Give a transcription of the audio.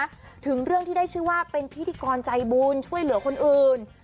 ถึงเรื่องที่ได้ชื่อว่าเป็นพิธีกรใจบุญช่วยเหลือคนอื่น